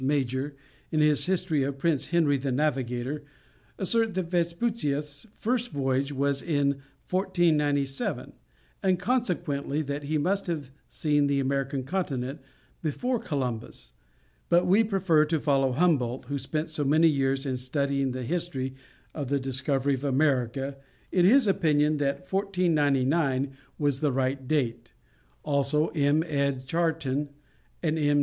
Major, in his history of Prince Henry the Navigator, assert that Vespucius' first voyage was in 1497, and consequently that he must have seen the American continent before Columbus, but we prefer to follow Humboldt, who spent so many years in studying the history of the discovery of America, in his opinion that 1499 was the right date, also M. Ed. Charton and M.